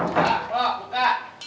buka po buka